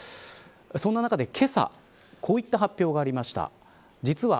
そんな中で、けさこういった発表がありました。